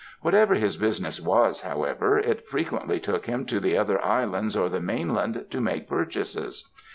Whatever his business was, however, it frequently took him to the other islands or the mainland to make purchases.